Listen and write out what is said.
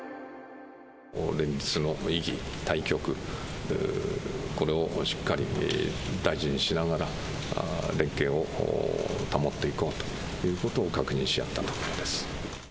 連立の意義、大局、これをしっかり大事にしながら、連携を保っていこうということを確認し合ったところです。